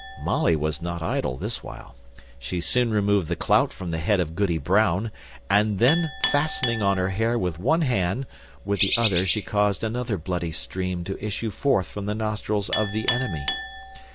Molly was not idle this while. She soon removed the clout from the head of Goody Brown, and then fastening on her hair with one hand, with the other she caused another bloody stream to issue forth from the nostrils of the enemy.